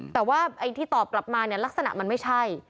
แต่ว่าไอ้ที่ตอบกลับมาเนี่ยลักษณะมันไม่ใช่